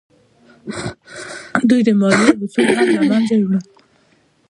دوی د مالیې اصول هم له منځه یوړل.